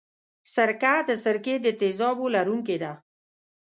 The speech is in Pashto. سرکه د سرکې د تیزابو لرونکې ده.